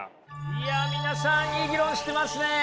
いや皆さんいい議論してますね！